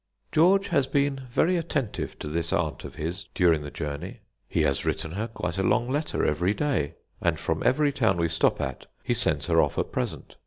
George has been very attentive to this aunt of his during the journey. He has written her quite a long letter every day, and from every town we stop at he sends her off a present.